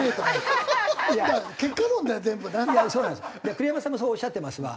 栗山さんもそうおっしゃってますわ。